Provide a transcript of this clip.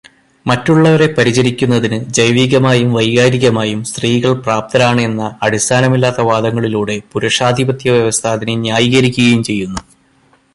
മറ്റുള്ളവരെ പരിചരിക്കുന്നതിനു ജൈവികമായും വൈകാരികമായും സ്ത്രീകൾ പ്രാപ്തരാണ് എന്ന അടിസ്ഥാമില്ലാത്ത വാദങ്ങളിലൂടെ പുരുഷാധിപത്യവ്യവസ്ഥ അതിനെ ന്യായീകരിക്കുകയും ചെയ്യുന്നു.